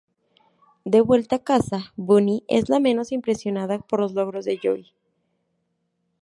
De vuelta a casa, Bonnie es la menos impresionada por los logros de Joe.